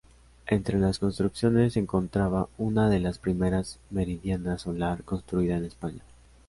Entre las construcciones se encontraba una de las primeras meridiana solar construida en España.